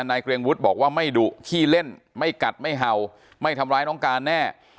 เกรงวุฒิบอกว่าไม่ดุขี้เล่นไม่กัดไม่เห่าไม่ทำร้ายน้องการแน่